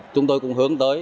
chúng tôi cũng hướng đến